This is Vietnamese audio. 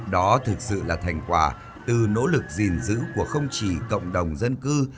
đó thực sự là thành quả từ nỗ lực gìn giữ của không chỉ cộng đồng dân cư